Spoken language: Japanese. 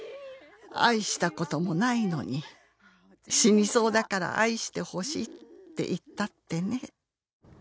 「愛したこともないのに死にそうだから愛してほしいって言ったってね」